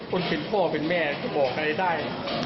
คนเป็นพ่อเป็นแม่ก็บอกให้ได้